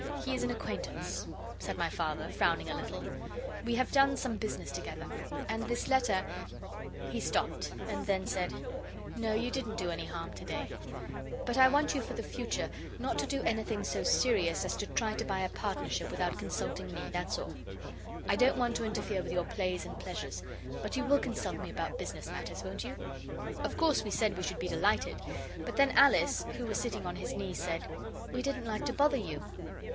'He is an acquaintance,' said my father, frowning a little, 'we have done some business together. And this letter ' he stopped and then said: 'No; you didn't do any harm to day; but I want you for the future not to do anything so serious as to try to buy a partnership without consulting me, that's all. I don't want to interfere with your plays and pleasures; but you will consult me about business matters, won't you?' Of course we said we should be delighted, but then Alice, who was sitting on his knee, said, 'We didn't like to bother you.